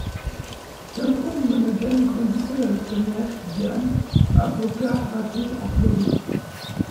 Cameron Monaghan grandit seul avec sa mère, Diane, à Boca Raton en Floride.